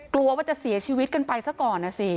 กลัวว่าจะเสียชีวิตกันไปซะก่อนนะสิ